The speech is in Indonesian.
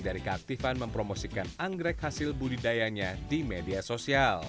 dari keaktifan mempromosikan anggrek hasil budidayanya di media sosial